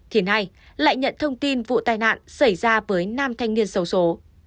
thì nay lại nhận thông tin vụ tai nạn xảy ra với năm thanh niên sâu số